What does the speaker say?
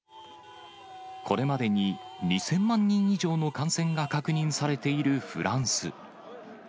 これまでに２０００万人以上の感染が確認されているフランス。